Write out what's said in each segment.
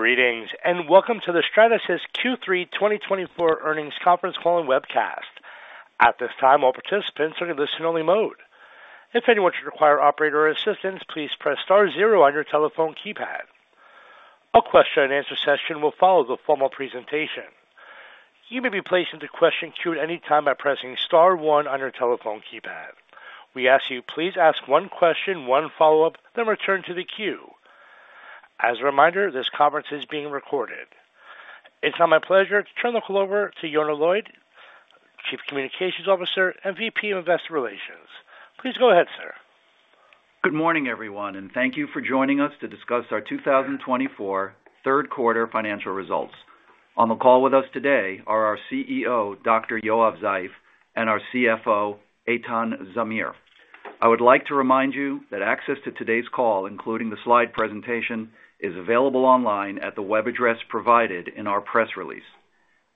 Greetings and welcome to the Stratasys Q3 2024 Earnings Conference Call and Webcast. At this time, all participants are in listen-only mode. If anyone should require operator assistance, please press star zero on your telephone keypad. A question-and-answer session will follow the formal presentation. You may be placed into question queue at any time by pressing star one on your telephone keypad. We ask you, please ask one question, one follow-up, then return to the queue. As a reminder, this conference is being recorded. It's now my pleasure to turn the call over to Yonah Lloyd, Chief Communications Officer and VP of Investor Relations. Please go ahead, sir. Good morning, everyone, and thank you for joining us to discuss our 2024 third quarter financial results. On the call with us today are our CEO, Dr. Yoav Zeif, and our CFO, Eitan Zamir. I would like to remind you that access to today's call, including the slide presentation, is available online at the web address provided in our press release.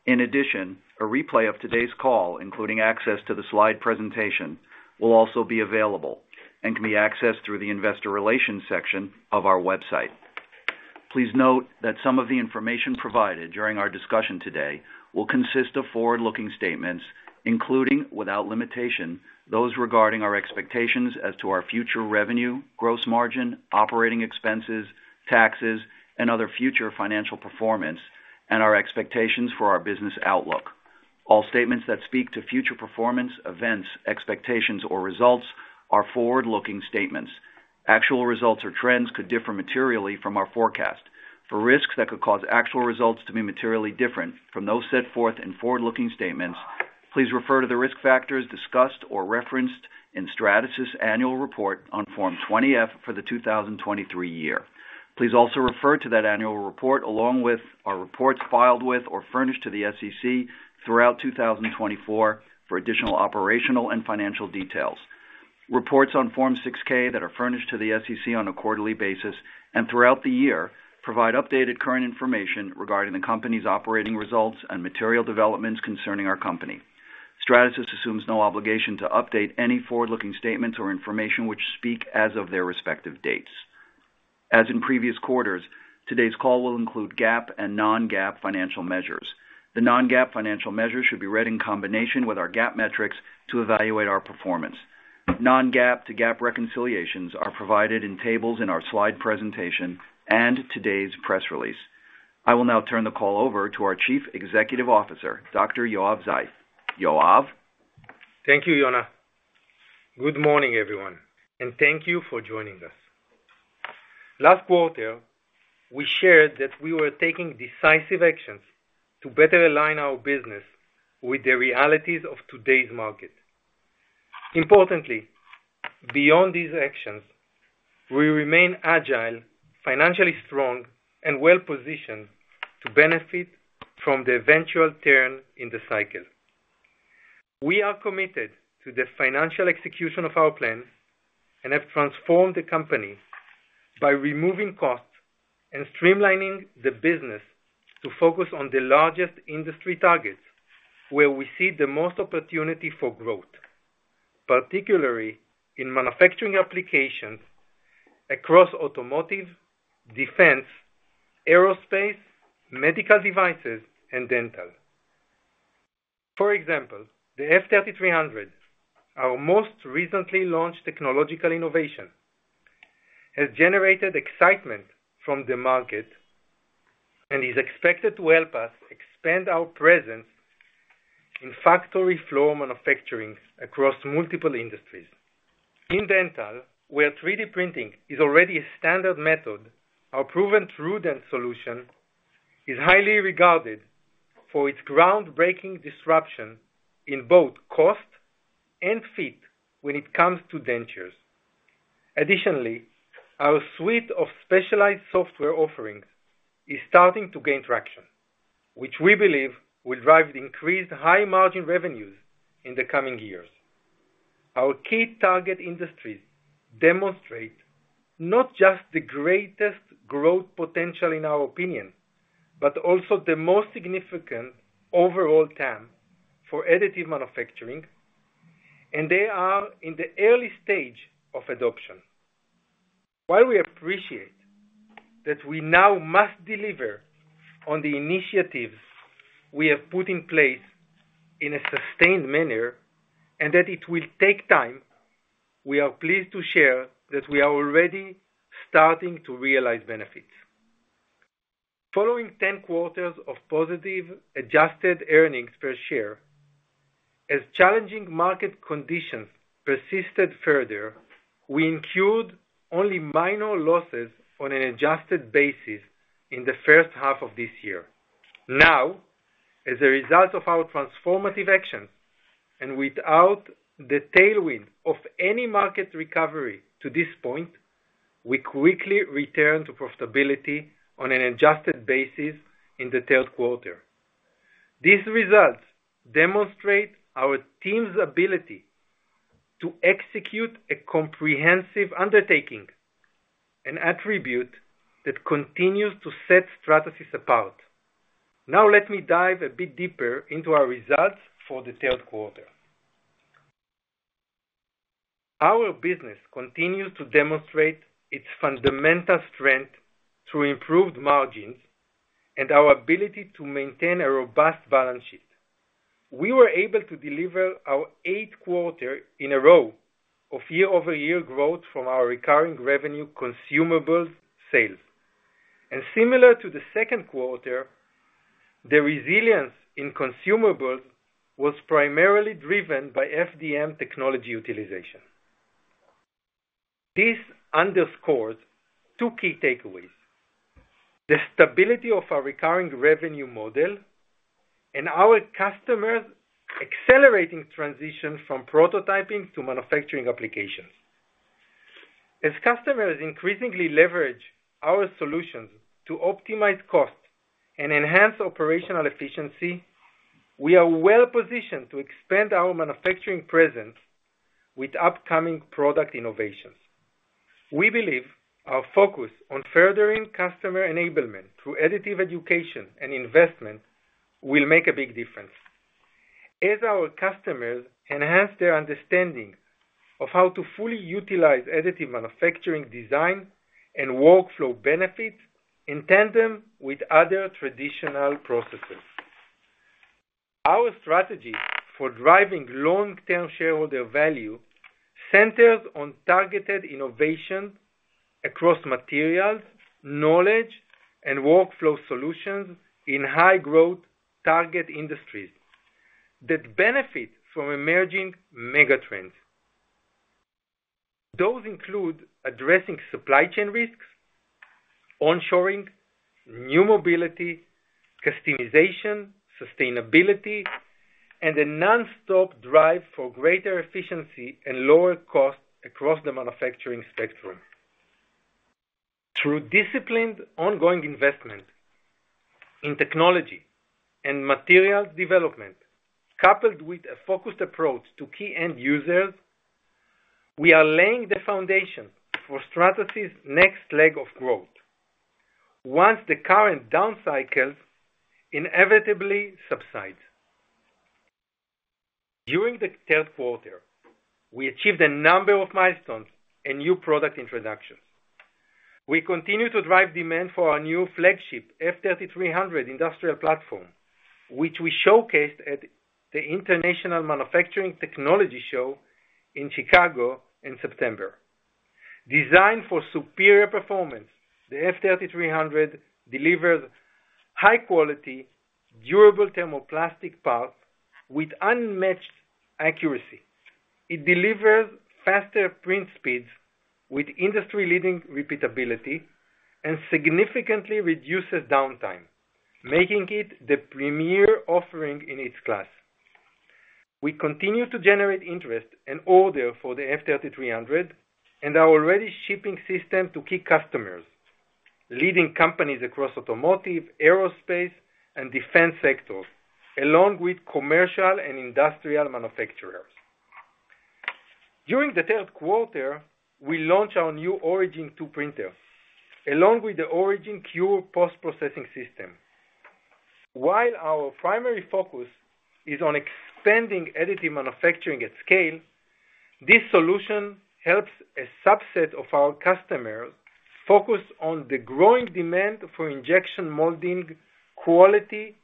In addition, a replay of today's call, including access to the slide presentation, will also be available and can be accessed through the Investor Relations section of our website. Please note that some of the information provided during our discussion today will consist of forward-looking statements, including, without limitation, those regarding our expectations as to our future revenue, gross margin, operating expenses, taxes, and other future financial performance, and our expectations for our business outlook. All statements that speak to future performance, events, expectations, or results are forward-looking statements. Actual results or trends could differ materially from our forecast. For risks that could cause actual results to be materially different from those set forth in forward-looking statements, please refer to the risk factors discussed or referenced in Stratasys' annual report on Form 20-F for the 2023 year. Please also refer to that annual report along with our reports filed with or furnished to the SEC throughout 2024 for additional operational and financial details. Reports on Form 6-K that are furnished to the SEC on a quarterly basis and throughout the year provide updated current information regarding the company's operating results and material developments concerning our company. Stratasys assumes no obligation to update any forward-looking statements or information which speak as of their respective dates. As in previous quarters, today's call will include GAAP and non-GAAP financial measures. The non-GAAP financial measures should be read in combination with our GAAP metrics to evaluate our performance. Non-GAAP to GAAP reconciliations are provided in tables in our slide presentation and today's press release. I will now turn the call over to our Chief Executive Officer, Dr. Yoav Zeif. Yoav. Thank you, Yonah. Good morning, everyone, and thank you for joining us. Last quarter, we shared that we were taking decisive actions to better align our business with the realities of today's market. Importantly, beyond these actions, we remain agile, financially strong, and well-positioned to benefit from the eventual turn in the cycle. We are committed to the financial execution of our plans and have transformed the company by removing costs and streamlining the business to focus on the largest industry targets where we see the most opportunity for growth, particularly in manufacturing applications across automotive, defense, aerospace, medical devices, and dental. For example, the F3300, our most recently launched technological innovation, has generated excitement from the market and is expected to help us expand our presence in factory floor manufacturing across multiple industries. In dental, where 3D printing is already a standard method, our proven TrueDent solution is highly regarded for its groundbreaking disruption in both cost and fit when it comes to dentures. Additionally, our suite of specialized software offerings is starting to gain traction, which we believe will drive increased high-margin revenues in the coming years. Our key target industries demonstrate not just the greatest growth potential in our opinion, but also the most significant overall TAM for additive manufacturing, and they are in the early stage of adoption. While we appreciate that we now must deliver on the initiatives we have put in place in a sustained manner and that it will take time, we are pleased to share that we are already starting to realize benefits. Following 10 quarters of positive adjusted earnings per share, as challenging market conditions persisted further, we incurred only minor losses on an adjusted basis in the first half of this year. Now, as a result of our transformative actions and without the tailwind of any market recovery to this point, we quickly returned to profitability on an adjusted basis in the third quarter. These results demonstrate our team's ability to execute a comprehensive undertaking, an attribute that continues to set Stratasys apart. Now, let me dive a bit deeper into our results for the third quarter. Our business continues to demonstrate its fundamental strength through improved margins and our ability to maintain a robust balance sheet. We were able to deliver our eighth quarter in a row of year-over-year growth from our recurring revenue consumables sales. And similar to the second quarter, the resilience in consumables was primarily driven by FDM technology utilization. This underscores two key takeaways: the stability of our recurring revenue model and our customers' accelerating transition from prototyping to manufacturing applications. As customers increasingly leverage our solutions to optimize costs and enhance operational efficiency, we are well-positioned to expand our manufacturing presence with upcoming product innovations. We believe our focus on furthering customer enablement through additive education and investment will make a big difference as our customers enhance their understanding of how to fully utilize additive manufacturing design and workflow benefits in tandem with other traditional processes. Our strategy for driving long-term shareholder value centers on targeted innovation across materials, knowledge, and workflow solutions in high-growth target industries that benefit from emerging megatrends. Those include addressing supply chain risks, onshoring, new mobility, customization, sustainability, and a nonstop drive for greater efficiency and lower costs across the manufacturing spectrum. Through disciplined ongoing investment in technology and material development, coupled with a focused approach to key end users, we are laying the foundation for Stratasys' next leg of growth once the current down cycles inevitably subside. During the third quarter, we achieved a number of milestones and new product introductions. We continue to drive demand for our new flagship F3300 industrial platform, which we showcased at the International Manufacturing Technology Show in Chicago in September. Designed for superior performance, the F3300 delivers high-quality, durable thermoplastic parts with unmatched accuracy. It delivers faster print speeds with industry-leading repeatability and significantly reduces downtime, making it the premier offering in its class. We continue to generate interest and order for the F3300 and our already shipping system to key customers, leading companies across automotive, aerospace, and defense sectors, along with commercial and industrial manufacturers. During the third quarter, we launch our new Origin Two printer, along with the Origin Cure Post-Processing System. While our primary focus is on expanding additive manufacturing at scale, this solution helps a subset of our customers focus on the growing demand for injection molding quality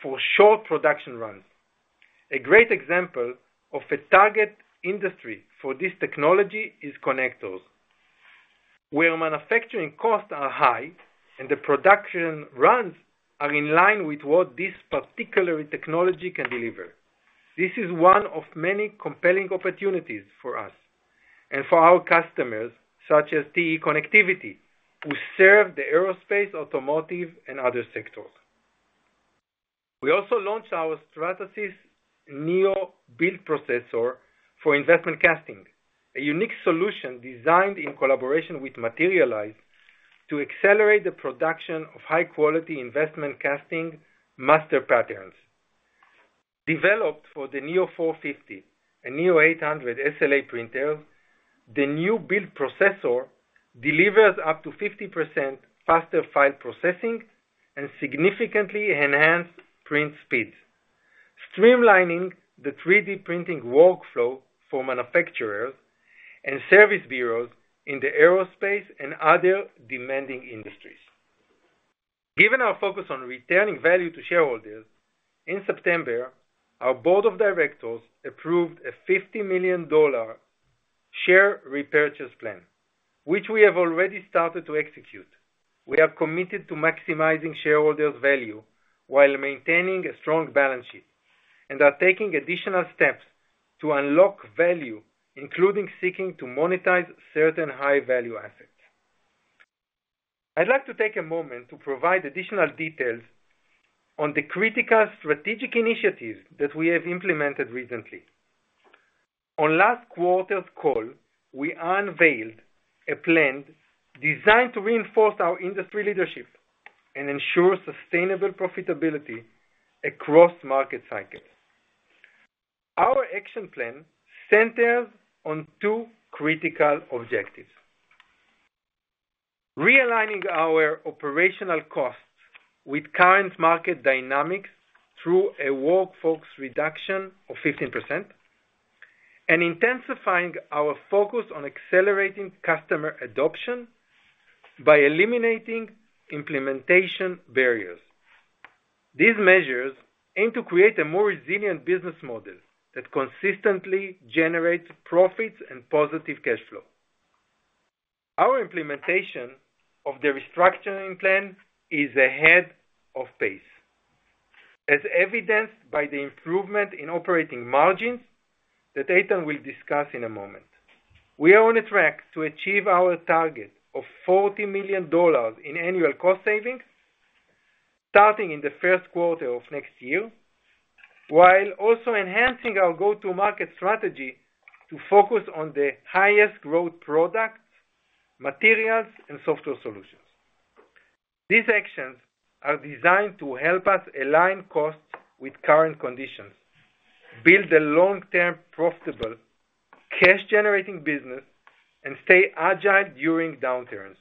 for short production runs. A great example of a target industry for this technology is connectors, where manufacturing costs are high and the production runs are in line with what this particular technology can deliver. This is one of many compelling opportunities for us and for our customers, such as TE Connectivity, who serve the aerospace, automotive, and other sectors. We also launched our Stratasys Neo Build Processor for investment casting, a unique solution designed in collaboration with Materialise to accelerate the production of high-quality investment casting master patterns. Developed for the Neo 450 and Neo 800 SLA printers, the new Build Processor delivers up to 50% faster file processing and significantly enhanced print speeds, streamlining the 3D printing workflow for manufacturers and service bureaus in the aerospace and other demanding industries. Given our focus on returning value to shareholders, in September, our board of directors approved a $50 million share repurchase plan, which we have already started to execute. We are committed to maximizing shareholders' value while maintaining a strong balance sheet and are taking additional steps to unlock value, including seeking to monetize certain high-value assets. I'd like to take a moment to provide additional details on the critical strategic initiatives that we have implemented recently. On last quarter's call, we unveiled a plan designed to reinforce our industry leadership and ensure sustainable profitability across market cycles. Our action plan centers on two critical objectives: realigning our operational costs with current market dynamics through a workforce reduction of 15% and intensifying our focus on accelerating customer adoption by eliminating implementation barriers. These measures aim to create a more resilient business model that consistently generates profits and positive cash flow. Our implementation of the restructuring plan is ahead of pace, as evidenced by the improvement in operating margins that Eitan will discuss in a moment. We are on a track to achieve our target of $40 million in annual cost savings starting in the first quarter of next year, while also enhancing our go-to-market strategy to focus on the highest-growth products, materials, and software solutions. These actions are designed to help us align costs with current conditions, build a long-term profitable cash-generating business, and stay agile during downturns,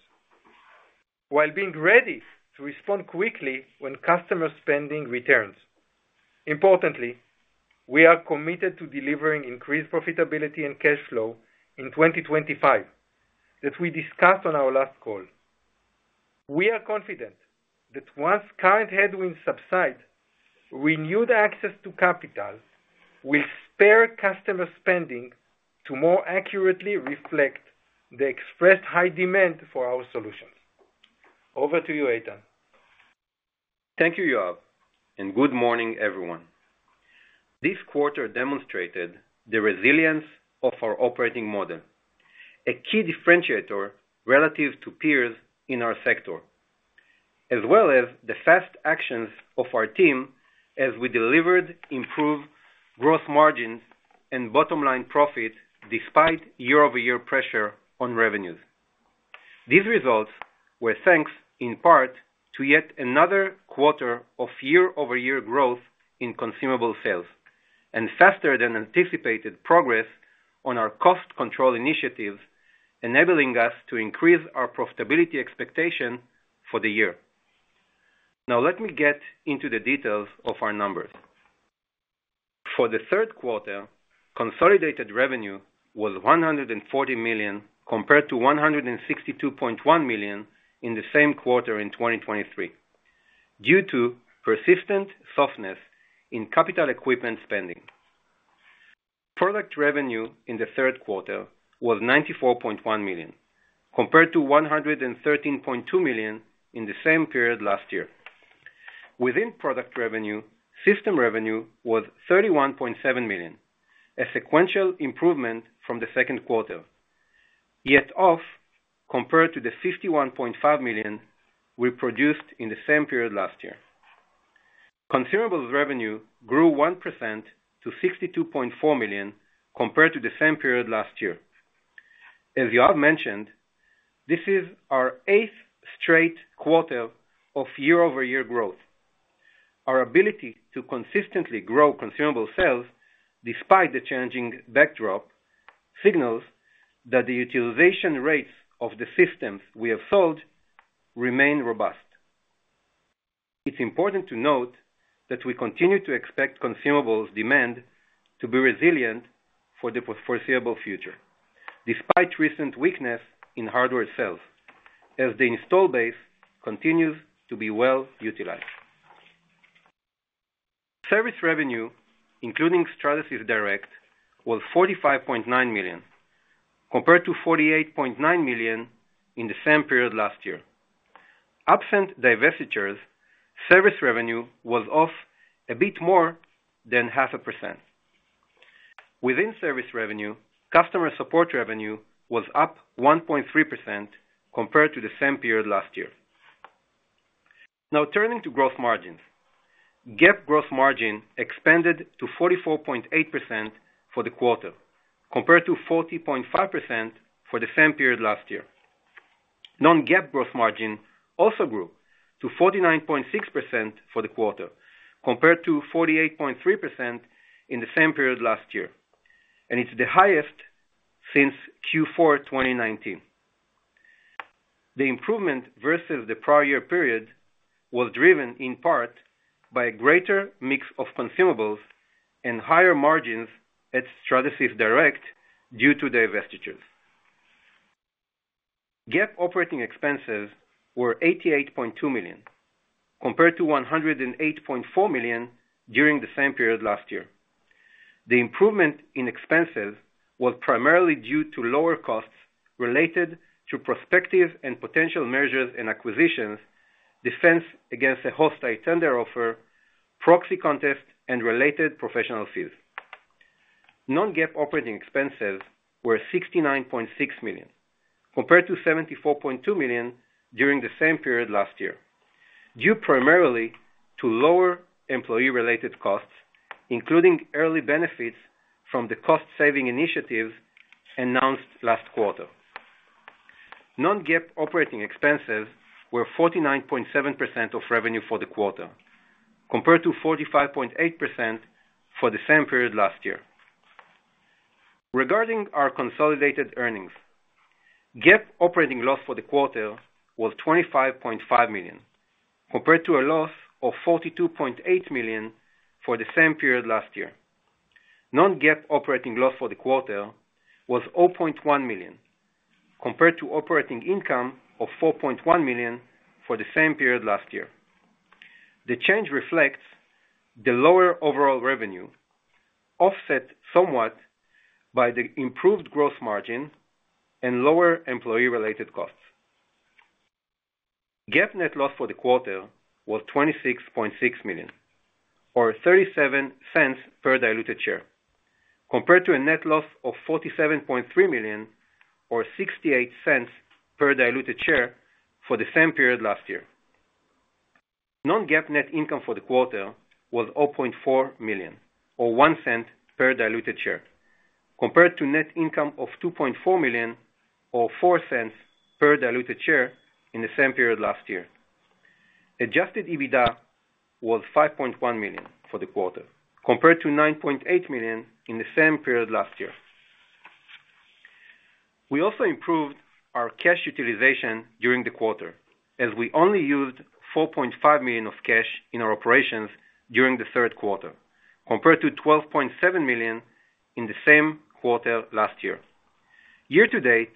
while being ready to respond quickly when customer spending returns. Importantly, we are committed to delivering increased profitability and cash flow in 2025 that we discussed on our last call. We are confident that once current headwinds subside, renewed access to capital will spare customer spending to more accurately reflect the expressed high demand for our solutions. Over to you, Eitan. Thank you, Yoav, and good morning, everyone. This quarter demonstrated the resilience of our operating model, a key differentiator relative to peers in our sector, as well as the fast actions of our team as we delivered improved gross margins, and bottom-line profit despite year-over-year pressure on revenues. These results were thanks in part to yet another quarter of year-over-year growth in consumable sales and faster-than-anticipated progress on our cost control initiatives, enabling us to increase our profitability expectation for the year. Now, let me get into the details of our numbers. For the third quarter, consolidated revenue was $140 million compared to $162.1 million in the same quarter in 2023 due to persistent softness in capital equipment spending. Product revenue in the third quarter was $94.1 million compared to $113.2 million in the same period last year. Within product revenue, system revenue was $31.7 million, a sequential improvement from the second quarter, yet off compared to the $51.5 million we produced in the same period last year. Consumables revenue grew 1% to $62.4 million compared to the same period last year. As Yoav mentioned, this is our eighth straight quarter of year-over-year growth. Our ability to consistently grow consumable sales despite the changing backdrop signals that the utilization rates of the systems we have sold remain robust. It's important to note that we continue to expect consumables demand to be resilient for the foreseeable future despite recent weakness in hardware sales as the install base continues to be well utilized. Service revenue, including Stratasys Direct, was $45.9 million compared to $48.9 million in the same period last year. Absent divestitures, service revenue was off a bit more than 0.5%. Within service revenue, customer support revenue was up 1.3% compared to the same period last year. Now, turning to gross margins, GAAP gross margin expanded to 44.8% for the quarter compared to 40.5% for the same period last year. Non-GAAP gross margin also grew to 49.6% for the quarter compared to 48.3% in the same period last year, and it's the highest since Q4 2019. The improvement versus the prior year period was driven in part by a greater mix of consumables and higher margins at Stratasys Direct due to divestitures. GAAP operating expenses were $88.2 million compared to $108.4 million during the same period last year. The improvement in expenses was primarily due to lower costs related to prospective and potential mergers and acquisitions, defense against a hostile tender offer, proxy contest, and related professional fees. Non-GAAP operating expenses were $69.6 million compared to $74.2 million during the same period last year due primarily to lower employee-related costs, including early benefits from the cost-saving initiatives announced last quarter. Non-GAAP operating expenses were 49.7% of revenue for the quarter compared to 45.8% for the same period last year. Regarding our consolidated earnings, GAAP operating loss for the quarter was $25.5 million compared to a loss of $42.8 million for the same period last year. Non-GAAP operating loss for the quarter was $0.1 million compared to operating income of $4.1 million for the same period last year. The change reflects the lower overall revenue, offset somewhat by the improved gross margin and lower employee-related costs. GAAP net loss for the quarter was $26.6 million, or $0.37 per diluted share, compared to a net loss of $47.3 million, or $0.68 per diluted share for the same period last year. Non-GAAP net income for the quarter was $0.4 million, or $0.01 per diluted share, compared to net income of $2.4 million, or $0.04 per diluted share in the same period last year. Adjusted EBITDA was $5.1 million for the quarter, compared to $9.8 million in the same period last year. We also improved our cash utilization during the quarter, as we only used $4.5 million of cash in our operations during the third quarter, compared to $12.7 million in the same quarter last year. Year to date,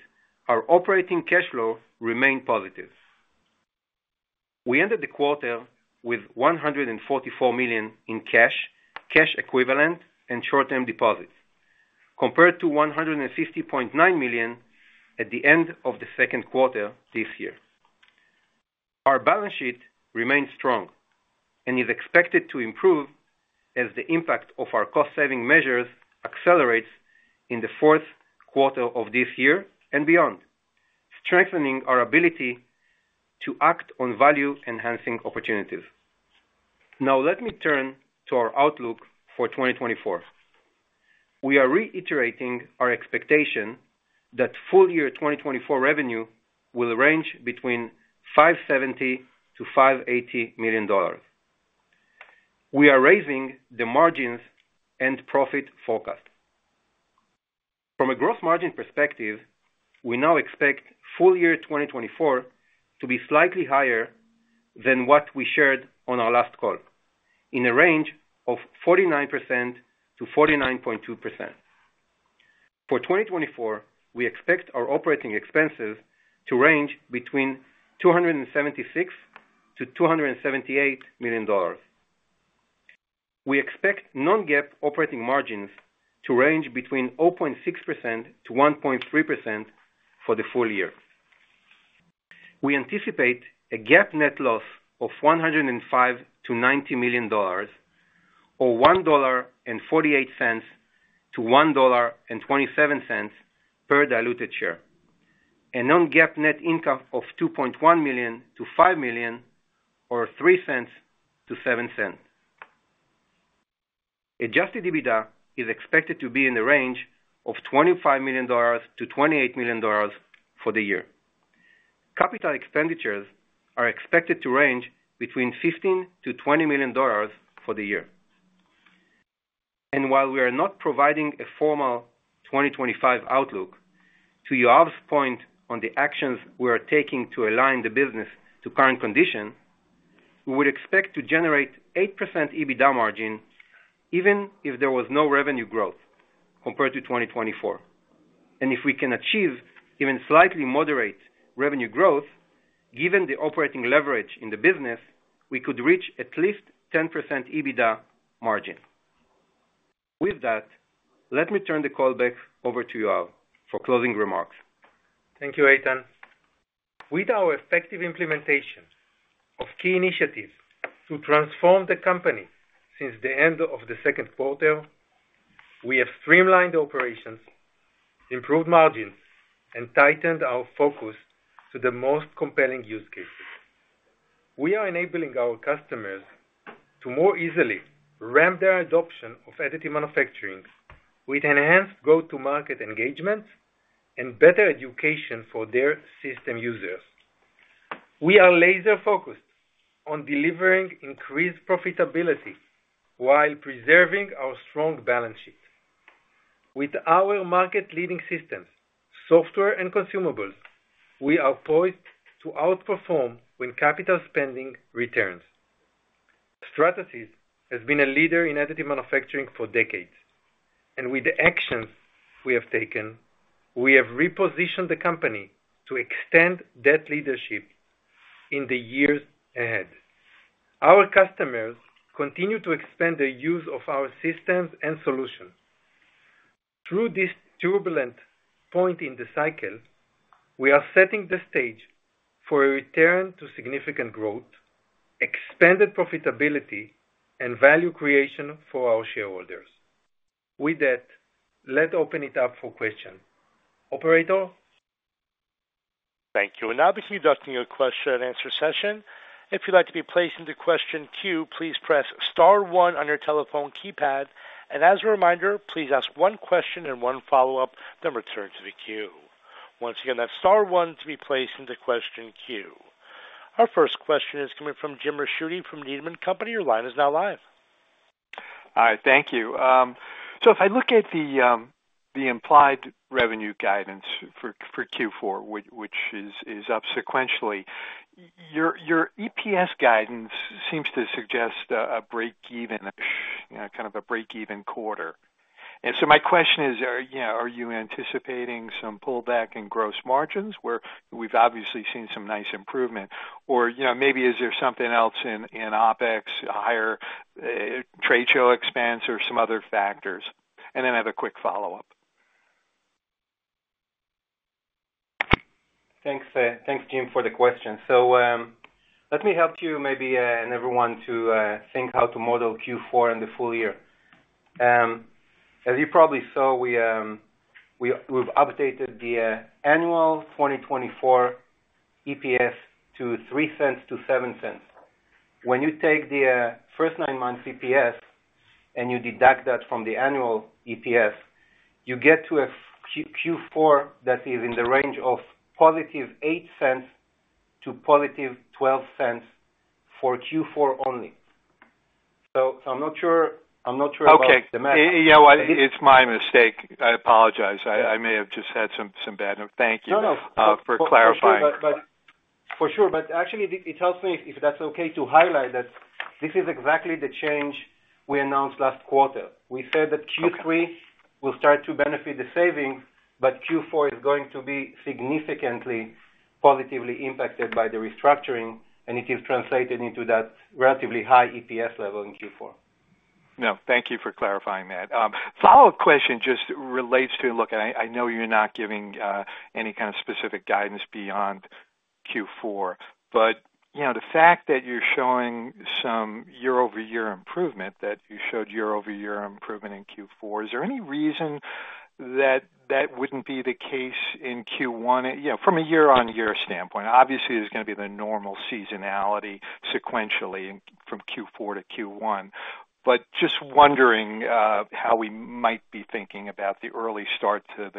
our operating cash flow remained positive. We ended the quarter with $144 million in cash, cash equivalent, and short-term deposits, compared to $150.9 million at the end of the second quarter this year. Our balance sheet remains strong and is expected to improve as the impact of our cost-saving measures accelerates in the fourth quarter of this year and beyond, strengthening our ability to act on value-enhancing opportunities. Now, let me turn to our outlook for 2024. We are reiterating our expectation that full year 2024 revenue will range between $570 million-$580 million. We are raising the margins and profit forecast. From a gross margin perspective, we now expect full year 2024 to be slightly higher than what we shared on our last call, in a range of 49%-49.2%. For 2024, we expect our operating expenses to range between $276 million-$278 million. We expect non-GAAP operating margins to range between 0.6%-1.3% for the full year. We anticipate a GAAP net loss of $105 million-$90 million, or $1.48-$1.27 per diluted share, and non-GAAP net income of $2.1 million-$5 million, or $0.03-$0.07. Adjusted EBITDA is expected to be in the range of $25-$28 million for the year. Capital expenditures are expected to range between $15 million-$20 million for the year. While we are not providing a formal 2025 outlook, to Yoav's point on the actions we are taking to align the business to current conditions, we would expect to generate 8% EBITDA margin even if there was no revenue growth compared to 2024. If we can achieve even slightly moderate revenue growth, given the operating leverage in the business, we could reach at least 10% EBITDA margin. With that, let me turn the call back over to Yoav for closing remarks. Thank you, Eitan. With our effective implementation of key initiatives to transform the company since the end of the second quarter, we have streamlined operations, improved margins, and tightened our focus to the most compelling use cases. We are enabling our customers to more easily ramp their adoption of additive manufacturing with enhanced go-to-market engagement and better education for their system users. We are laser-focused on delivering increased profitability while preserving our strong balance sheet. With our market-leading systems, software, and consumables, we are poised to outperform when capital spending returns. Stratasys has been a leader in additive manufacturing for decades, and with the actions we have taken, we have repositioned the company to extend that leadership in the years ahead. Our customers continue to expand their use of our systems and solutions. Through this turbulent point in the cycle, we are setting the stage for a return to significant growth, expanded profitability, and value creation for our shareholders. With that, let's open it up for questions. Operator. Thank you. And now begin the question and answer session. If you'd like to be placed into question queue, please press star one on your telephone keypad. And as a reminder, please ask one question and one follow-up, then return to the queue. Once again, that's star one to be placed into question queue. Our first question is coming from Jim Ricchiuti from Needham & Company. Your line is now live. Hi. Thank you. So if I look at the implied revenue guidance for Q4, which is up sequentially, your EPS guidance seems to suggest a break-even, kind of a break-even quarter. And so my question is, are you anticipating some pullback in gross margins where we've obviously seen some nice improvement? Or maybe is there something else in OpEx, higher trade show expense, or some other factors? And then I have a quick follow-up. Thanks, Jim for the question. So let me help you maybe and everyone to think how to model Q4 and the full year. As you probably saw, we've updated the annual 2024 EPS to $0.03-$0.07. When you take the first nine months EPS and you deduct that from the annual EPS, you get to a Q4 that is in the range of positive $0.08-$0.12 for Q4 only. So I'm not sure about the math. Okay. Yeah, well, it's my mistake. I apologize. I may have just had some bad. Thank you for clarifying. No, no. For sure. But actually, it helps me, if that's okay, to highlight that this is exactly the change we announced last quarter. We said that Q3 will start to benefit the savings, but Q4 is going to be significantly positively impacted by the restructuring, and it is translated into that relatively high EPS level in Q4. No. Thank you for clarifying that. Follow-up question just relates to, look, I know you're not giving any kind of specific guidance beyond Q4, but the fact that you're showing some year-over-year improvement, that you showed year-over-year improvement in Q4, is there any reason that that wouldn't be the case in Q1 from a year-on-year standpoint? Obviously, there's going to be the normal seasonality sequentially from Q4 to Q1. But just wondering how we might be thinking about the early start to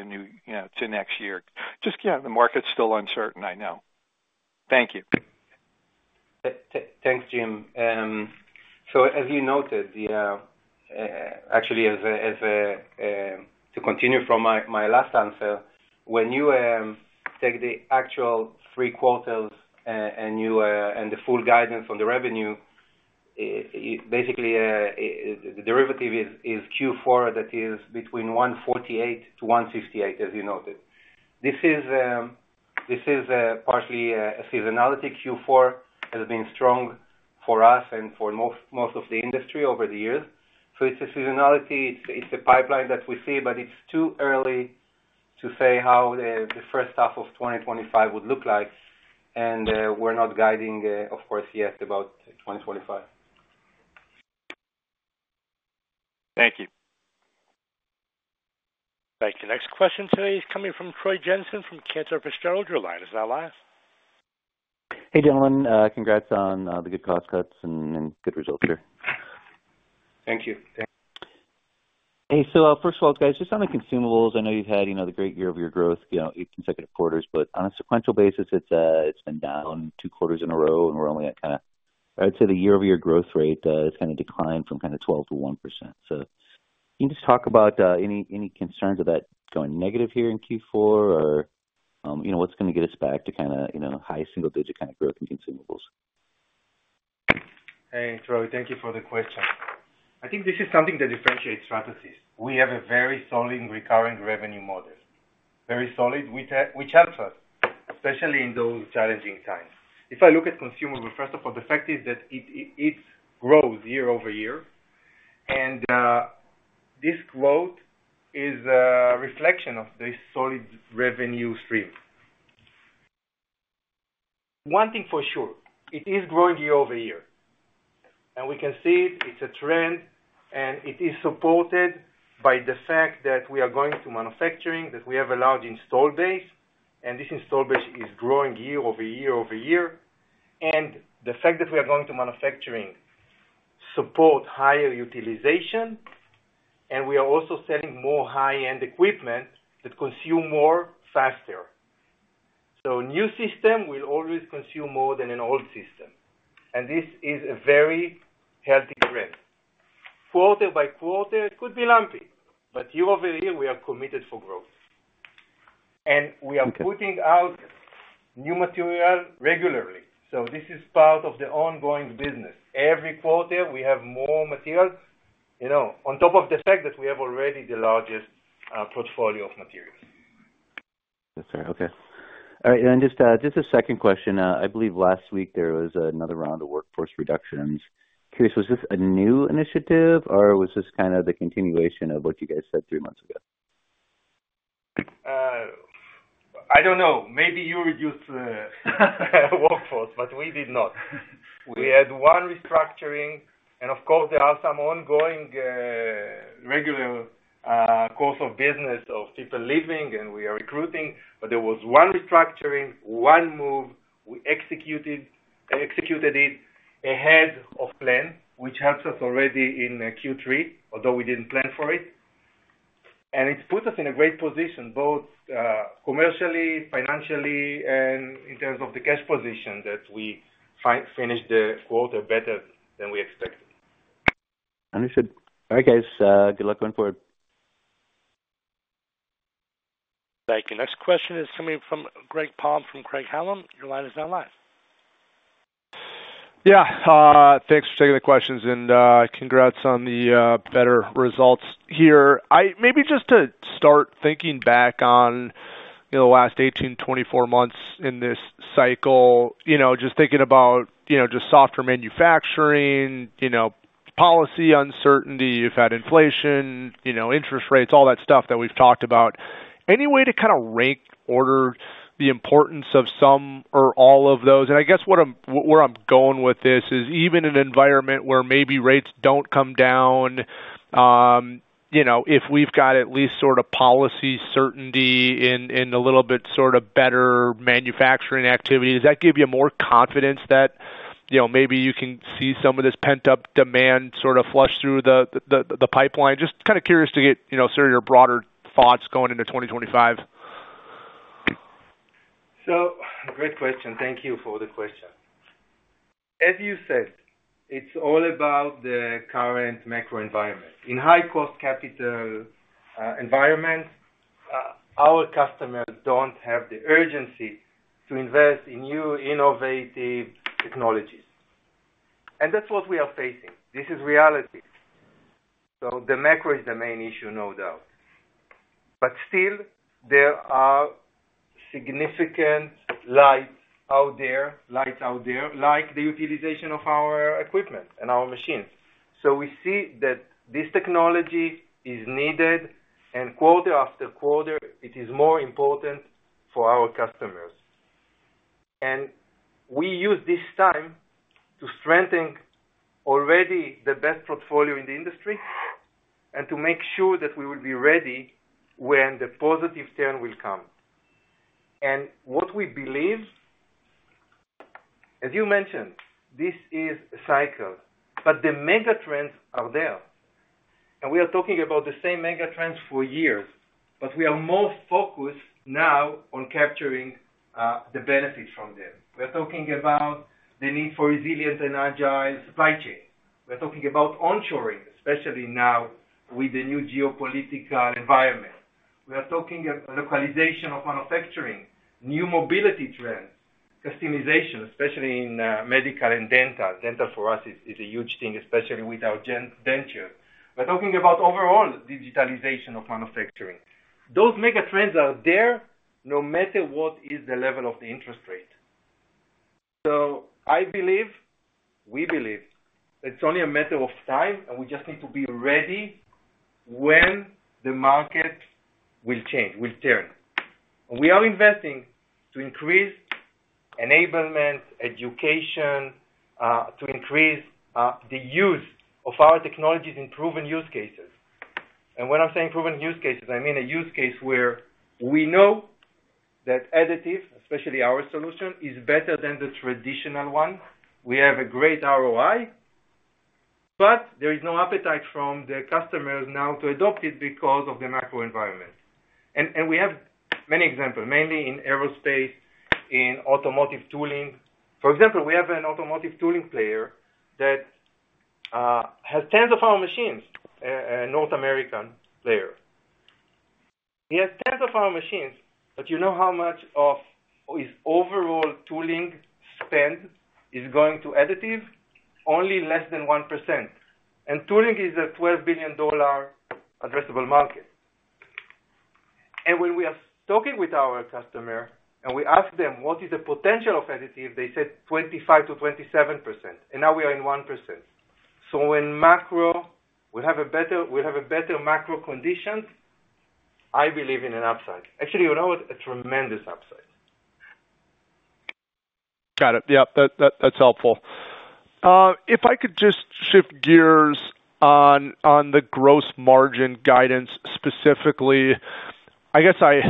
next year. Just, yeah, the market's still uncertain, I know. Thank you. Thanks, Jim. So as you noted, actually, to continue from my last answer, when you take the actual three quarters and the full guidance on the revenue, basically, the derivative is Q4 that is between $148-$158, as you noted. This is partially a seasonality. Q4 has been strong for us and for most of the industry over the years. So it's a seasonality. It's a pipeline that we see, but it's too early to say how the first half of 2025 would look like. And we're not guiding, of course, yet about 2025. Thank you. Thank you. Next question today is coming from Troy Jensen from Cantor Fitzgerald. Is that live? Hey, gentlemen. Congrats on the good cost cuts and good results here. Thank you. Hey. So first of all, guys, just on the consumables, I know you've had the great year of your growth, eight consecutive quarters. But on a sequential basis, it's been down two quarters in a row, and we're only at kind of, I'd say the year-over-year growth rate has kind of declined from kind of 12%-1%. So can you just talk about any concerns of that going negative here in Q4, or what's going to get us back to kind of high single-digit kind of growth in consumables? Hey, Troy. Thank you for the question. I think this is something that differentiates Stratasys. We have a very solid recurring revenue model, very solid, which helps us, especially in those challenging times. If I look at consumables, first of all, the fact is that it grows year-over-year, and this growth is a reflection of the solid revenue stream. One thing for sure, it is growing year-over-year, and we can see it. It's a trend, and it is supported by the fact that we are going to manufacturing, that we have a large install base. And this install base is growing year-over-year, and the fact that we are going to manufacturing supports higher utilization. And we are also selling more high-end equipment that consumes more faster. So a new system will always consume more than an old system. And this is a very healthy trend. Quarter by quarter, it could be lumpy. But year-over-year, we are committed for growth. And we are putting out new material regularly. So this is part of the ongoing business. Every quarter, we have more materials, on top of the fact that we have already the largest portfolio of materials. That's right. Okay. All right. And then just a second question. I believe last week, there was another round of workforce reductions. Curious, was this a new initiative, or was this kind of the continuation of what you guys said three months ago? I don't know. Maybe you reduced workforce, but we did not. We had one restructuring, and of course, there are some ongoing regular course of business of people leaving, and we are recruiting, but there was one restructuring, one move. We executed it ahead of plan, which helps us already in Q3, although we didn't plan for it, and it put us in a great position, both commercially, financially, and in terms of the cash position that we finished the quarter better than we expected. Understood. All right, guys. Good luck going forward. Thank you. Next question is coming from Greg Palm from Craig-Hallum. Your line is now live. Yeah. Thanks for taking the questions. And congrats on the better results here. Maybe just to start, thinking back on the last 18 months, 24 months in this cycle, just thinking about just software manufacturing, policy uncertainty. You've had inflation, interest rates, all that stuff that we've talked about. Any way to kind of rank order the importance of some or all of those? And I guess where I'm going with this is even in an environment where maybe rates don't come down, if we've got at least sort of policy certainty and a little bit sort of better manufacturing activity, does that give you more confidence that maybe you can see some of this pent-up demand sort of flush through the pipeline? Just kind of curious to get sort of your broader thoughts going into 2025. So, great question. Thank you for the question. As you said, it's all about the current macro environment. In high-cost capital environments, our customers don't have the urgency to invest in new innovative technologies. And that's what we are facing. This is reality. So the macro is the main issue, no doubt. But still, there are significant lights out there, like the utilization of our equipment and our machines. So we see that this technology is needed, and quarter after quarter, it is more important for our customers. And we use this time to strengthen already the best portfolio in the industry and to make sure that we will be ready when the positive turn will come. And what we believe, as you mentioned, this is a cycle. But the megatrends are there. And we are talking about the same megatrends for years, but we are more focused now on capturing the benefits from them. We are talking about the need for resilient and agile supply chain. We are talking about onshoring, especially now with the new geopolitical environment. We are talking about localization of manufacturing, new mobility trends, customization, especially in medical and dental. Dental for us is a huge thing, especially with our dentures. We're talking about overall digitalization of manufacturing. Those megatrends are there no matter what is the level of the interest rate. So I believe, we believe it's only a matter of time, and we just need to be ready when the market will change, will turn. And we are investing to increase enablement, education, to increase the use of our technologies in proven use cases. And when I'm saying proven use cases, I mean a use case where we know that additive, especially our solution, is better than the traditional one. We have a great ROI, but there is no appetite from the customers now to adopt it because of the macro environment. And we have many examples, mainly in aerospace, in automotive tooling. For example, we have an automotive tooling player that has tens of our machines, a North American player. He has tens of our machines, but you know how much of his overall tooling spend is going to additive? Only less than 1%. And tooling is a $12 billion addressable market. And when we are talking with our customer and we ask them what is the potential of additive, they said 25%-27%. And now we are in 1%. So when macro will have a better macro condition, I believe in an upside. Actually, you know what? A tremendous upside. Got it. Yep. That's helpful. If I could just shift gears on the gross margin guidance specifically, I guess I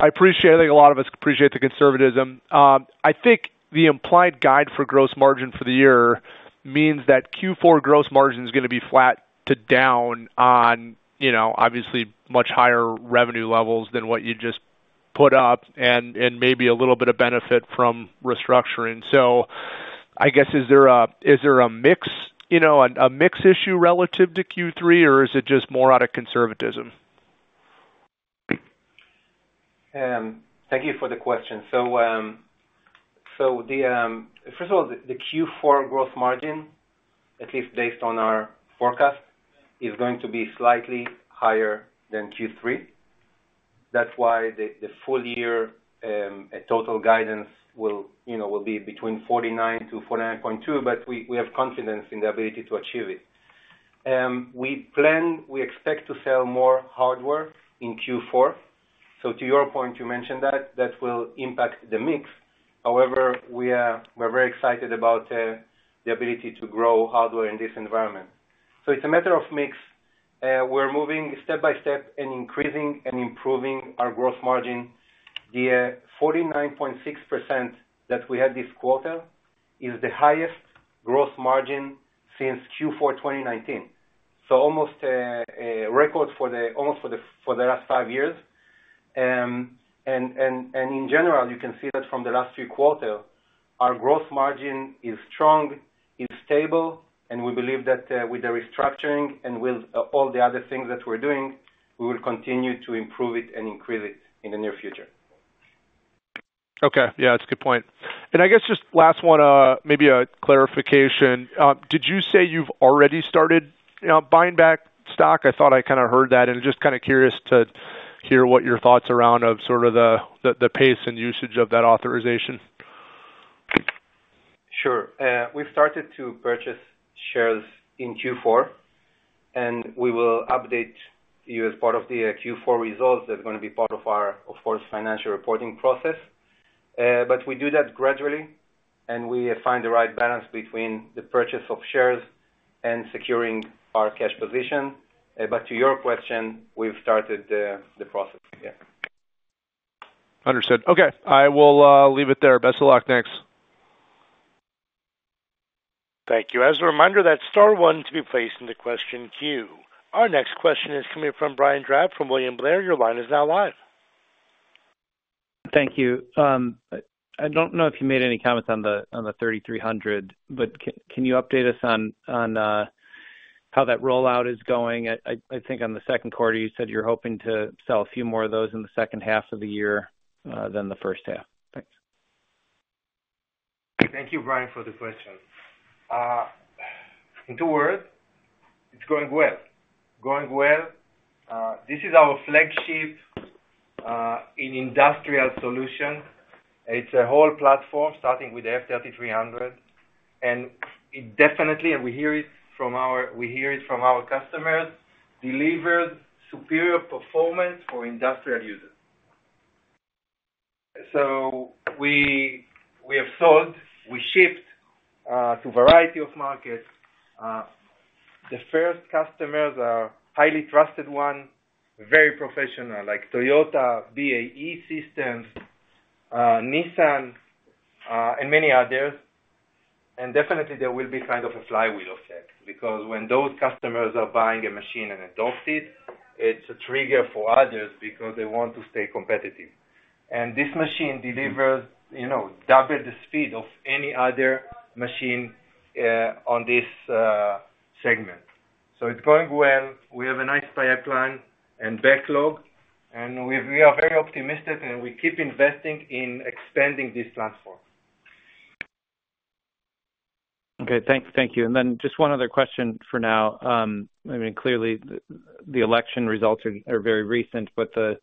appreciate. I think a lot of us appreciate the conservatism. I think the implied guide for gross margin for the year means that Q4 gross margin is going to be flat to down on, obviously, much higher revenue levels than what you just put up and maybe a little bit of benefit from restructuring. So I guess, is there a mix issue relative to Q3, or is it just more out of conservatism? Thank you for the question. So first of all, the Q4 gross margin, at least based on our forecast, is going to be slightly higher than Q3. That's why the full-year total guidance will be between 49%-49.2%, but we have confidence in the ability to achieve it. We expect to sell more hardware in Q4. So to your point, you mentioned that that will impact the mix. However, we are very excited about the ability to grow hardware in this environment. So it's a matter of mix. We're moving step by step and increasing and improving our gross margin. The 49.6% that we had this quarter is the highest gross margin since Q4 2019, so almost a record for almost the last five years, and in general, you can see that from the last three quarters, our gross margin is strong, is stable. We believe that with the restructuring and with all the other things that we're doing, we will continue to improve it and increase it in the near future. Okay. Yeah. That's a good point. And I guess just last one, maybe a clarification. Did you say you've already started buying back stock? I thought I kind of heard that. And just kind of curious to hear what your thoughts around sort of the pace and usage of that authorization. Sure. We've started to purchase shares in Q4, and we will update you as part of the Q4 results that are going to be part of our, of course, financial reporting process. But we do that gradually, and we find the right balance between the purchase of shares and securing our cash position. But to your question, we've started the process. Yeah. Understood. Okay. I will leave it there. Best of luck. Thanks. Thank you. As a reminder, that star one to be placed in the question queue. Our next question is coming from Brian Drab from William Blair. Your line is now live. Thank you. I don't know if you made any comments on the F3300, but can you update us on how that rollout is going? I think on the second quarter, you said you're hoping to sell a few more of those in the second half of the year than the first half. Thanks. Thank you, Brian, for the question. In two words, it's going well. Going well. This is our flagship industrial solution. It's a whole platform starting with the F3300. And definitely, and we hear it from our customers, delivers superior performance for industrial users. So we have sold. We shipped to a variety of markets. The first customers are highly trusted ones, very professional, like Toyota, BAE Systems, Nissan, and many others. And definitely, there will be kind of a flywheel effect because when those customers are buying a machine and adopt it, it's a trigger for others because they want to stay competitive. And this machine delivers double the speed of any other machine on this segment. So it's going well. We have a nice pipeline and backlog. And we are very optimistic, and we keep investing in expanding this platform. Okay. Thank you. And then just one other question for now. I mean, clearly, the election results are very recent, but the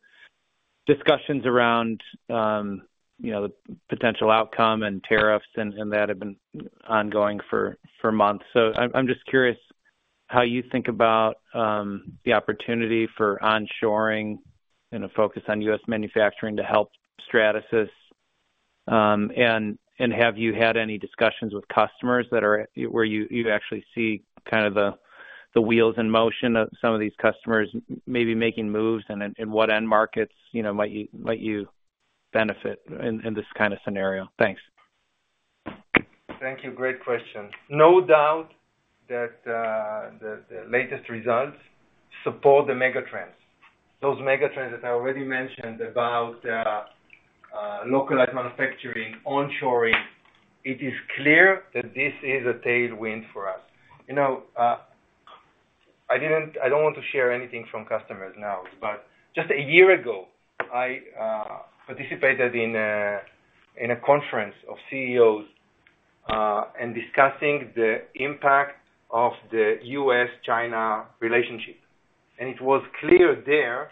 discussions around the potential outcome and tariffs and that have been ongoing for months. So I'm just curious how you think about the opportunity for onshoring and a focus on U.S. manufacturing to help Stratasys. And have you had any discussions with customers where you actually see kind of the wheels in motion of some of these customers maybe making moves? And in what end markets might you benefit in this kind of scenario? Thanks. Thank you. Great question. No doubt that the latest results support the megatrends. Those megatrends that I already mentioned about localized manufacturing, onshoring. It is clear that this is a tailwind for us. I don't want to share anything from customers now, but just a year ago, I participated in a conference of CEOs and discussing the impact of the U.S.-China relationship. And it was clear there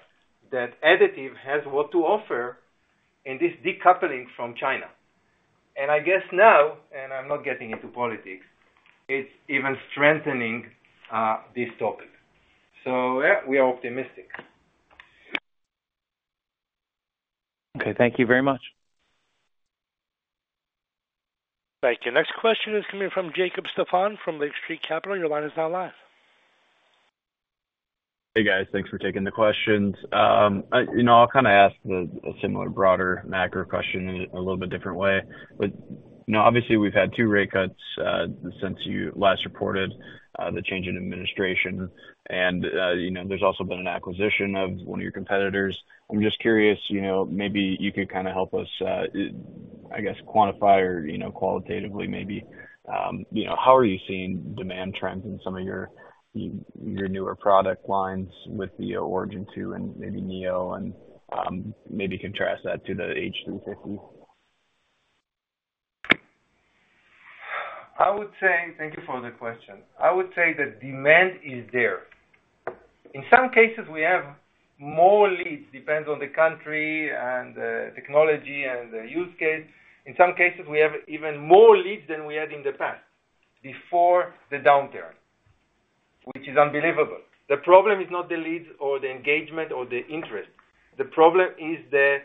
that additive has what to offer in this decoupling from China. And I guess now, and I'm not getting into politics, it's even strengthening this topic. So yeah, we are optimistic. Okay. Thank you very much. Thank you. Next question is coming from Jacob Stephan from Lake Street Capital. Your line is now live. Hey, guys. Thanks for taking the questions. I'll kind of ask a similar broader macro question in a little bit different way, but obviously, we've had two rate cuts since you last reported the change in administration, and there's also been an acquisition of one of your competitors. I'm just curious, maybe you could kind of help us, I guess, quantify or qualitatively maybe, how are you seeing demand trends in some of your newer product lines with the Origin 2 and maybe Neo and maybe contrast that to the H350? Thank you for the question. I would say that demand is there. In some cases, we have more leads, depends on the country and the technology and the use case. In some cases, we have even more leads than we had in the past before the downturn, which is unbelievable. The problem is not the leads or the engagement or the interest. The problem is the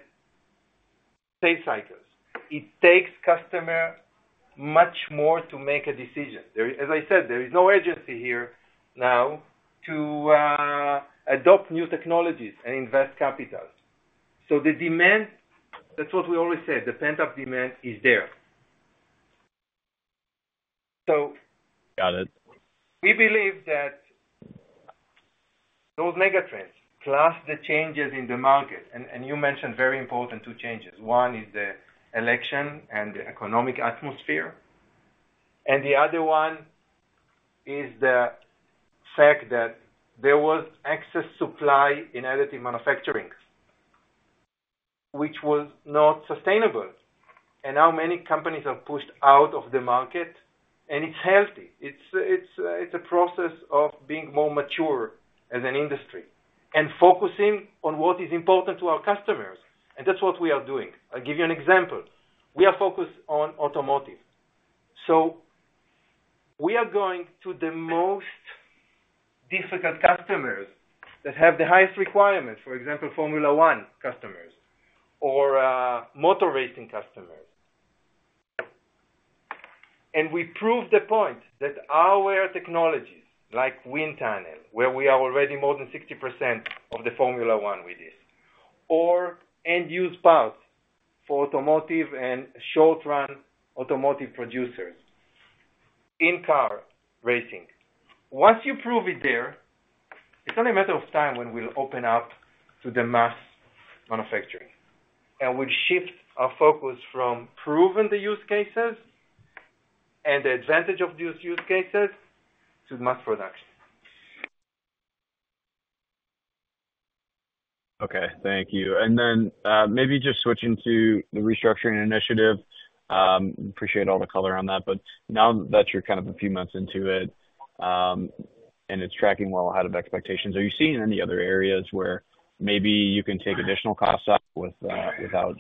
pay cycles. It takes customers much more to make a decision. As I said, there is no urgency here now to adopt new technologies and invest capital. So the demand, that's what we always said, the pent-up demand is there. So. Got it. We believe that those megatrends plus the changes in the market, and you mentioned very important two changes. One is the election and the economic atmosphere. And the other one is the fact that there was excess supply in additive manufacturing, which was not sustainable. And now many companies have pushed out of the market, and it's healthy. It's a process of being more mature as an industry and focusing on what is important to our customers. And that's what we are doing. I'll give you an example. We are focused on automotive. So we are going to the most difficult customers that have the highest requirements, for example, Formula 1 customers or motor racing customers. And we prove the point that our technologies like wind tunnel, where we are already more than 60% of the Formula 1 with this, or end-use parts for automotive and short-run automotive producers in car racing. Once you prove it there, it's only a matter of time when we'll open up to the mass manufacturing. And we'll shift our focus from proving the use cases and the advantage of these use cases to mass production. Okay. Thank you. And then maybe just switching to the restructuring initiative. Appreciate all the color on that. But now that you're kind of a few months into it and it's tracking well ahead of expectations, are you seeing any other areas where maybe you can take additional costs out without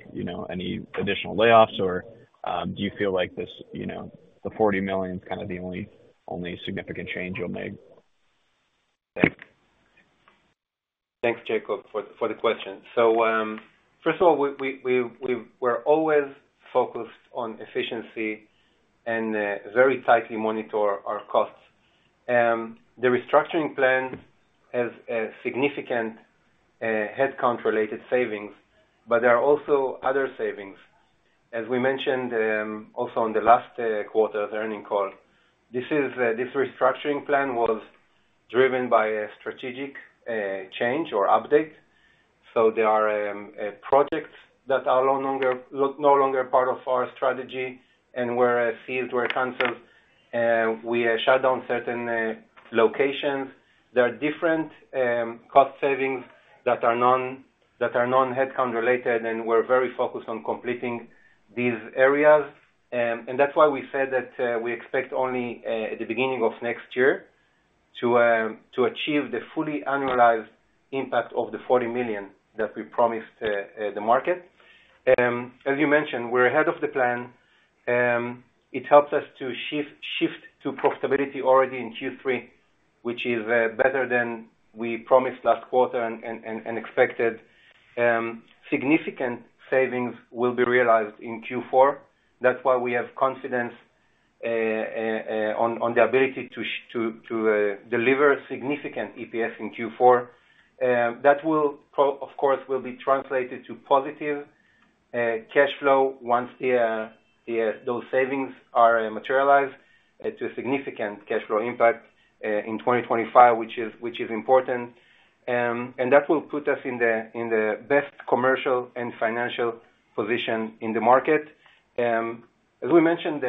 any additional layoffs? Or do you feel like the $40 million is kind of the only significant change you'll make? Thanks, Jacob, for the question. So first of all, we're always focused on efficiency and very tightly monitor our costs. The restructuring plan has significant headcount-related savings, but there are also other savings. As we mentioned also on the last quarter's earnings call, this restructuring plan was driven by a strategic change or update. So there are projects that are no longer part of our strategy, and where deals were canceled, we shut down certain locations. There are different cost savings that are non-headcount-related, and we're very focused on completing these areas. And that's why we said that we expect only at the beginning of next year to achieve the fully annualized impact of the $40 million that we promised the market. As you mentioned, we're ahead of the plan. It helps us to shift to profitability already in Q3, which is better than we promised last quarter and expected. Significant savings will be realized in Q4. That's why we have confidence on the ability to deliver significant EPS in Q4. That will, of course, be translated to positive cash flow once those savings are materialized to a significant cash flow impact in 2025, which is important, and that will put us in the best commercial and financial position in the market. As we mentioned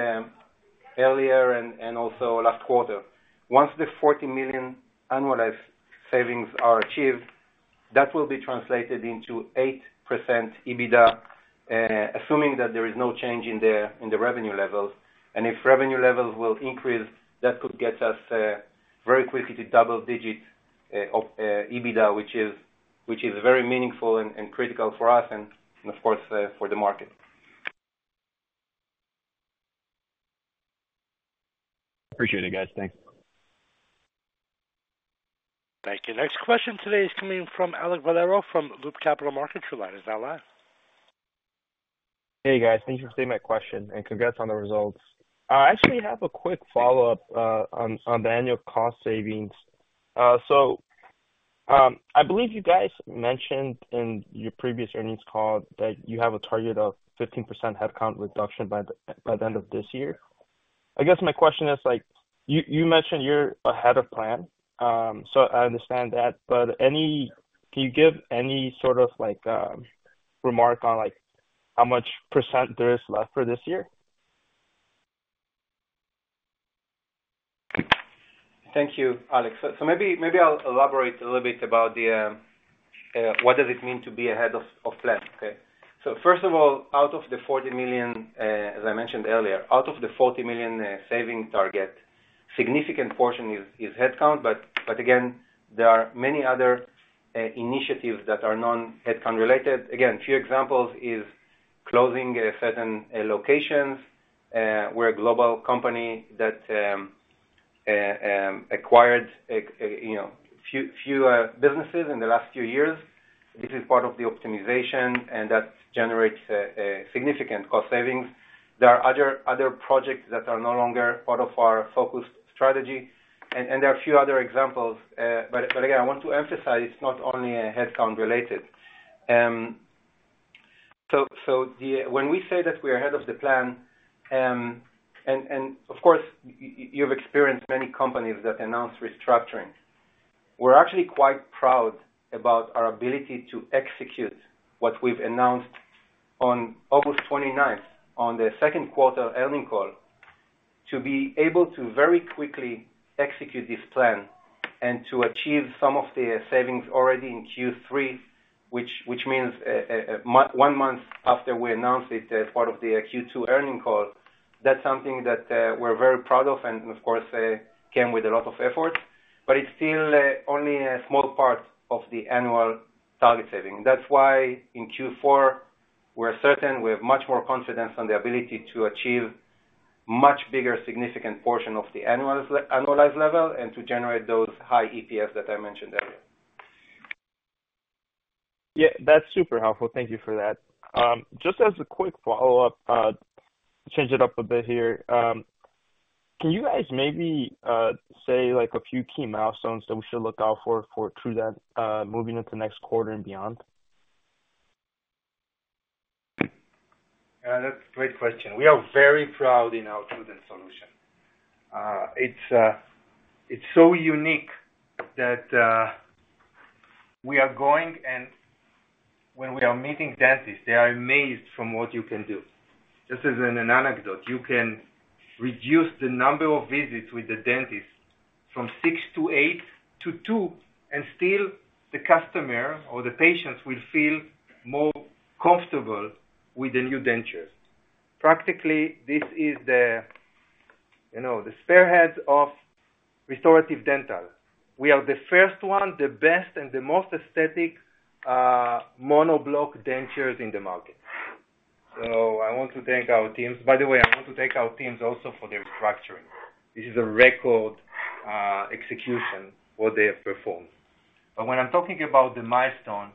earlier and also last quarter, once the $40 million annualized savings are achieved, that will be translated into 8% EBITDA, assuming that there is no change in the revenue levels, and if revenue levels will increase, that could get us very quickly to double-digit EBITDA, which is very meaningful and critical for us and, of course, for the market. Appreciate it, guys. Thanks. Thank you. Next question today is coming from Alek Valero from Loop Capital Markets. Is that live? Hey, guys. Thank you for taking my question and congrats on the results. I actually have a quick follow-up on the annual cost savings. So I believe you guys mentioned in your previous earnings call that you have a target of 15% headcount reduction by the end of this year. I guess my question is, you mentioned you're ahead of plan, so I understand that. But can you give any sort of remark on how much % there is left for this year? Thank you, Alex. So maybe I'll elaborate a little bit about what does it mean to be ahead of plan. Okay. So first of all, out of the $40 million, as I mentioned earlier, out of the $40 million savings target, a significant portion is headcount. But again, there are many other initiatives that are non-headcount-related. Again, a few examples is closing certain locations. We're a global company that acquired a few businesses in the last few years. This is part of the optimization, and that generates significant cost savings. There are other projects that are no longer part of our focused strategy. And there are a few other examples. But again, I want to emphasize it's not only headcount-related. When we say that we are ahead of the plan, and of course, you've experienced many companies that announced restructuring, we're actually quite proud about our ability to execute what we've announced on August 29th on the second quarter earnings call to be able to very quickly execute this plan and to achieve some of the savings already in Q3, which means one month after we announced it as part of the Q2 earnings call. That's something that we're very proud of and, of course, came with a lot of effort. But it's still only a small part of the annual target savings. That's why in Q4, we're certain we have much more confidence on the ability to achieve a much bigger significant portion of the annualized level and to generate those high EPS that I mentioned earlier. Yeah. That's super helpful. Thank you for that. Just as a quick follow-up, change it up a bit here. Can you guys maybe say a few key milestones that we should look out for through that moving into next quarter and beyond? Yeah. That's a great question. We are very proud in our TrueDent solution. It's so unique that we are going, and when we are meeting dentists, they are amazed from what you can do. Just as an anecdote, you can reduce the number of visits with the dentist from six to eight to two, and still the customer or the patients will feel more comfortable with the new dentures. Practically, this is the spearheads of restorative dental. We are the first one, the best, and the most aesthetic monoblock dentures in the market. So I want to thank our teams. By the way, I want to thank our teams also for the restructuring. This is a record execution what they have performed. But when I'm talking about the milestone,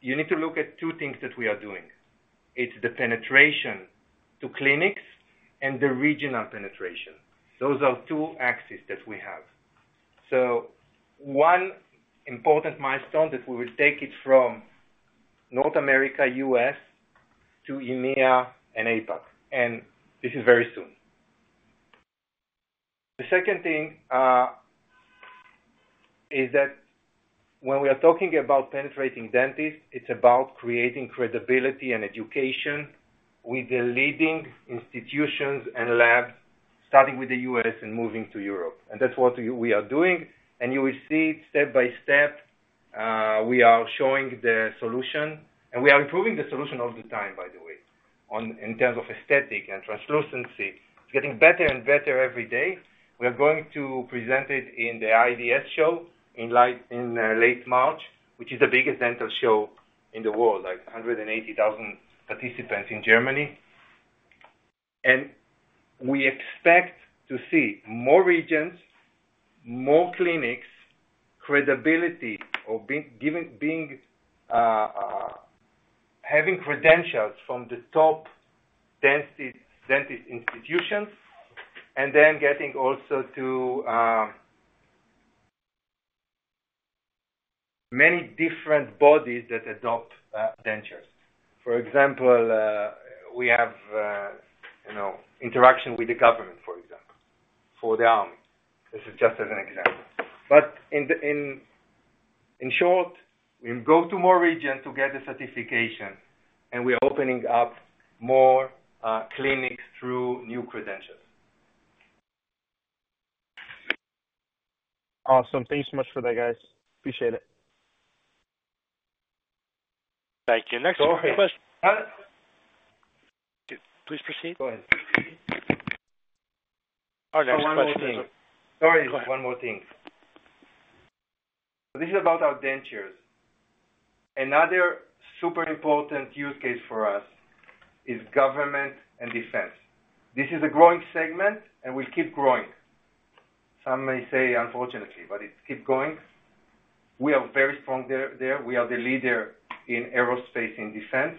you need to look at two things that we are doing. It's the penetration to clinics and the regional penetration. Those are two axes that we have. So one important milestone that we will take it from North America, U.S., to EMEA and APAC. And this is very soon. The second thing is that when we are talking about penetrating dentists, it's about creating credibility and education with the leading institutions and labs, starting with the U.S. and moving to Europe. And that's what we are doing. And you will see step by step, we are showing the solution. And we are improving the solution all the time, by the way, in terms of aesthetic and translucency. It's getting better and better every day. We are going to present it in the IDS show in late March, which is the biggest dental show in the world, like 180,000 participants in Germany. And we expect to see more regions, more clinics, credibility or having credentials from the top dental institutions, and then getting also to many different bodies that adopt dentures. For example, we have interaction with the government, for example, for the army. This is just as an example. But in short, we go to more regions to get the certification, and we are opening up more clinics through new credentials. Awesome. Thank you so much for that, guys. Appreciate it. Thank you. Next question. Go ahead. Please proceed. Go ahead. Oh, next question. Sorry, one more thing. This is about our dentures. Another super important use case for us is government and defense. This is a growing segment, and we'll keep growing. Some may say, unfortunately, but it's keep going. We are very strong there. We are the leader in aerospace in defense.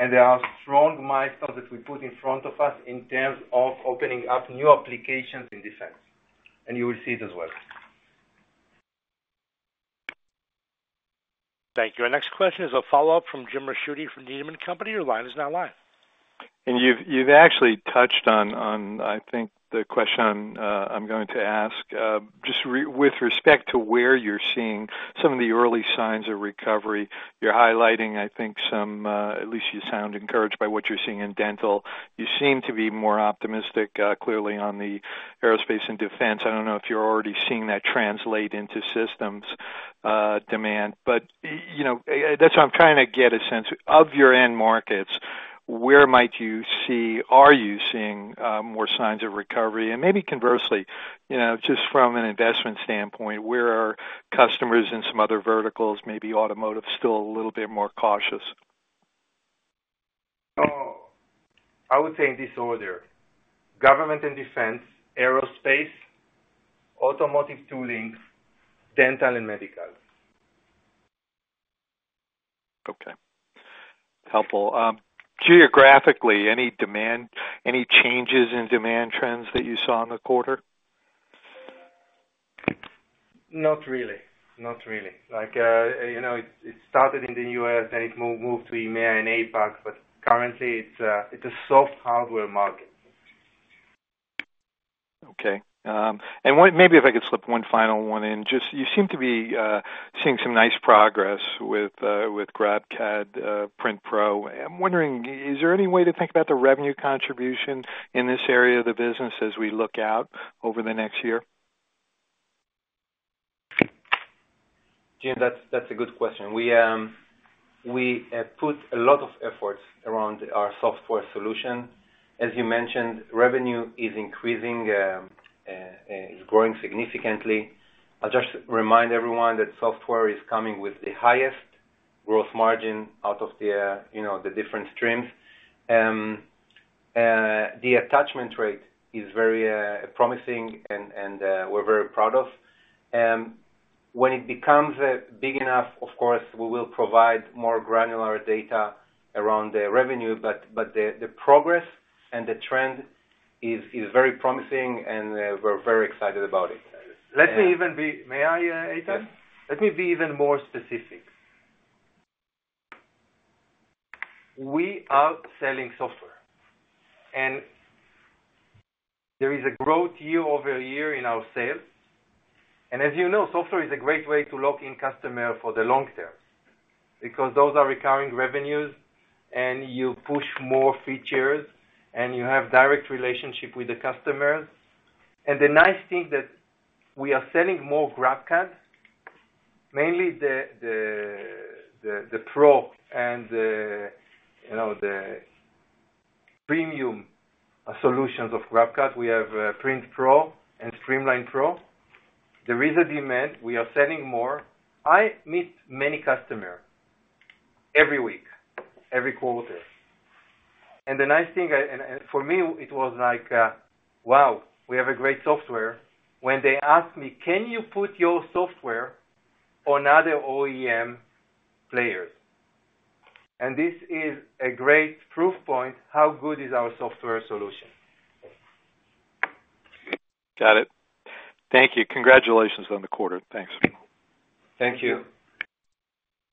And there are strong milestones that we put in front of us in terms of opening up new applications in defense. And you will see it as well. Thank you. Our next question is a follow-up from Jim Ricchiuti from Needham & Company. Your line is now live. You've actually touched on, I think, the question I'm going to ask. Just with respect to where you're seeing some of the early signs of recovery, you're highlighting, I think, some. At least you sound encouraged by what you're seeing in dental. You seem to be more optimistic, clearly, on the aerospace and defense. I don't know if you're already seeing that translate into systems demand. But that's what I'm trying to get a sense of your end markets. Where might you see are you seeing more signs of recovery? And maybe conversely, just from an investment standpoint, where are customers in some other verticals, maybe automotive, still a little bit more cautious? Oh, I would say in this order: government and defense, aerospace, automotive tooling, dental and medical. Okay. Helpful. Geographically, any changes in demand trends that you saw in the quarter? Not really. Not really. It started in the U.S., then it moved to EMEA and APAC, but currently, it's a soft hardware market. Okay. And maybe if I could slip one final one in. You seem to be seeing some nice progress with GrabCAD Print Pro. I'm wondering, is there any way to think about the revenue contribution in this area of the business as we look out over the next year? Jim, that's a good question. We put a lot of efforts around our software solution. As you mentioned, revenue is increasing. It's growing significantly. I just remind everyone that software is coming with the highest gross margin out of the different streams. The attachment rate is very promising, and we're very proud of. When it becomes big enough, of course, we will provide more granular data around the revenue. But the progress and the trend is very promising, and we're very excited about it. Let me even be. May I, Eitan? Let me be even more specific. We are selling software. And there is a growth year-over-year in our sales. And as you know, software is a great way to lock in customers for the long term because those are recurring revenues, and you push more features, and you have a direct relationship with the customers. And the nice thing that we are selling more GrabCAD, mainly the Pro and the premium solutions of GrabCAD. We have Print Pro and Streamline Pro. There is a demand. We are selling more. I meet many customers every week, every quarter. And the nice thing for me, it was like, "Wow, we have great software." When they asked me, "Can you put your software on other OEM players?" And this is a great proof point: how good is our software solution? Got it. Thank you. Congratulations on the quarter. Thanks. Thank you.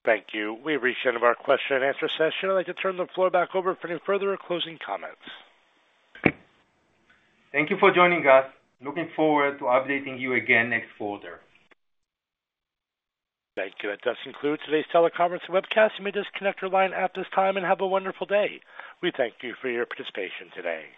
Thank you. We've reached the end of our question and answer session. I'd like to turn the floor back over for any further closing comments. Thank you for joining us. Looking forward to updating you again next quarter. Thank you. That does conclude today's teleconference webcast. You may disconnect your line at this time and have a wonderful day. We thank you for your participation today.